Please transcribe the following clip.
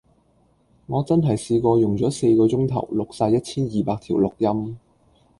我真係試過用左四個鐘頭錄曬一千二百段錄音